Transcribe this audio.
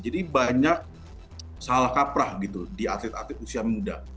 jadi banyak salah kaprah gitu di atlet atlet usia muda